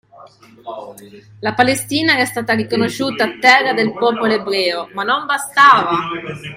La Palestina era stata riconosciuta terra del popolo ebreo, ma non bastava!